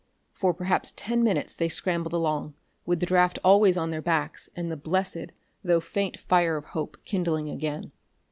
For perhaps ten minutes they scrambled along, with the draft always on their backs and the blessed, though faint, fire of hope kindling again.